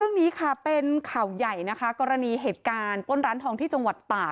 เรื่องนี้ค่ะเป็นข่าวใหญ่นะคะกรณีเหตุการณ์ปล้นร้านทองที่จังหวัดตาก